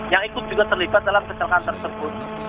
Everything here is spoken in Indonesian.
yang ikut juga terlibat dalam kecelakaan tersebut